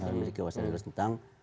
harus memiliki wasan yang luas tentang